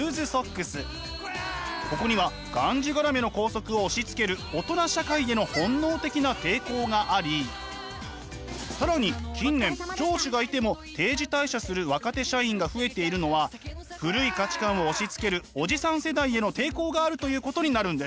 ここにはがんじがらめの校則を押しつける大人社会への本能的な抵抗があり更に近年上司がいても定時退社する若手社員が増えているのは古い価値観を押しつけるおじさん世代への抵抗があるということになるんです。